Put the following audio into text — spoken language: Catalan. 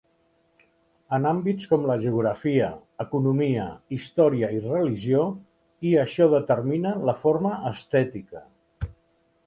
En àmbits com la geografia, economia, història i religió, i això determina la forma estètica.